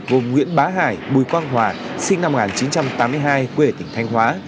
gồm nguyễn bá hải bùi quang hòa sinh năm một nghìn chín trăm tám mươi hai quê tỉnh thanh hóa